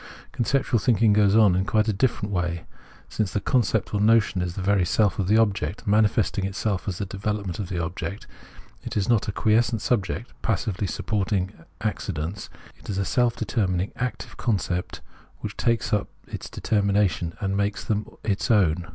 Conceptual thinking goes on in quite a different way. Since the concept or notion is the very self of the object, manifesting itself as the development of the object, it is not a quiescent subject, passively sup porting accidents : it is a self determining active concept which takes up its determinations and makes them its own.